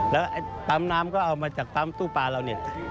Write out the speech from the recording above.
แล้วก็ปั้มน้ำก็เอามาจากปั้มตู้ปลาเรา